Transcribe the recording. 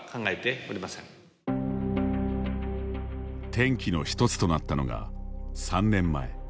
転機の一つとなったのが３年前。